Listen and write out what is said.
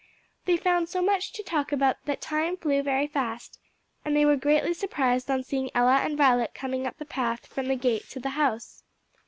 They found so much to talk about that time flew very fast, and they were greatly surprised on seeing Ella and Violet coming up the path from the gate to the house.